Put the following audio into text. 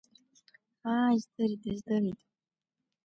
Аа, издырит, издырит!